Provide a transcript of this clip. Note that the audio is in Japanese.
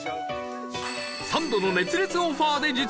サンドの熱烈オファーで実現！